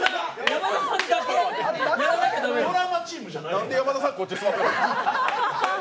なんで山田さん、こっち座ってんの？